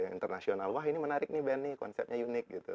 international wah ini menarik nih band nih konsepnya unik gitu